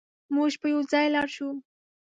موږ به يوځای لاړ شو